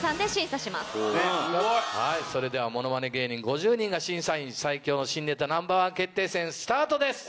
それではものまね芸人５０人が審査員最強の新ネタＮｏ．１決定戦スタートです！